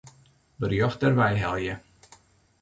Berjocht dêrwei helje.